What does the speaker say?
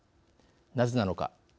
なぜなのか。